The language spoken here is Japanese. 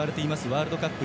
ワールドカップ